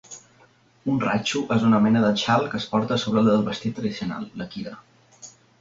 Un "rachu" és una mena de xal que es porta a sobre del vestit tradicional, la kira.